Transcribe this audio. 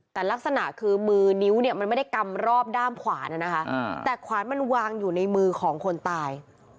แต่ลักษณะคือมือนิ้วเนี่ยมันไม่ได้กำรอบด้ามขวานะคะแต่ขวานมันวางอยู่ในมือของคนตาย